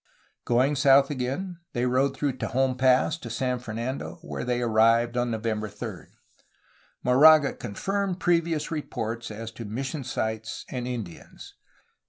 Going south again, they rode through Tejon Pass to San Fernando, where they arrived on November 3. Moraga confirmed previous re ports as to mission sites and Indians.